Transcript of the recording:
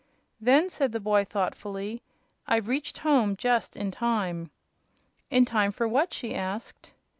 "Then," said the boy, thoughtfully, "I've reached home just in time." "In time for what?" she asked.